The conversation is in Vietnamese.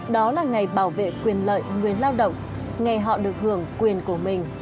đó là ngày bảo vệ quyền lợi người lao động ngày họ được hưởng quyền của mình